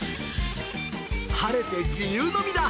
晴れて自由の身だ。